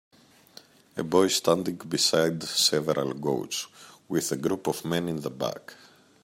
A boy standing beside several goats, with a group of men in the back.